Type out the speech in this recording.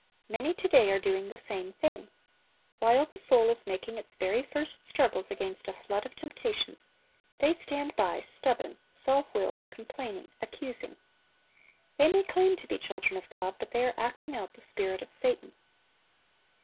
Many to day are doing the same thing. While the soul is making its very first struggles against a flood of temptations, they stand by, stubborn, self willed, complaining, accusing. They may claim to be children of God, but they are acting out the spirit of Satan.